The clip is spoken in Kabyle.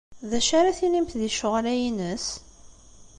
D acu ara tinimt di ccɣel-a-ines?